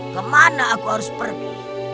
kemana aku harus pergi